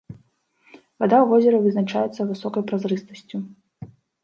Вада ў возеры вызначаецца высокай празрыстасцю.